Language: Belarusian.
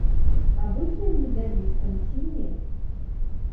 А будзе ён медалістам ці не?